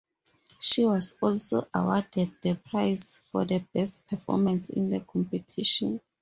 She was also awarded the prize for best performance in the competition.